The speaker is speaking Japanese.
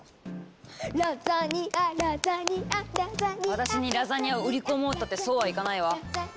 私にラザニアを売り込もうったってそうはいかないわ。